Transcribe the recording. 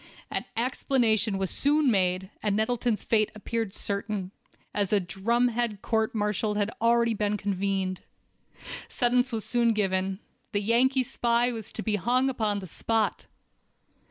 An explanation was soon made, and Nettleton's fate appeared certain, as a "drumhead" court martial had already been convened. Sentence was soon given—the Yankee spy was to be hung upon the spot!